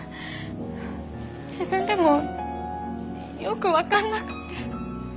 自分でもよくわかんなくて。